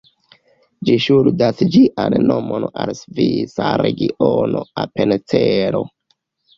Ĝi ŝuldas ĝian nomon al la svisa regiono Apencelo.